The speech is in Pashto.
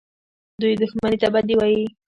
دوى دښمني ته بدي وايي.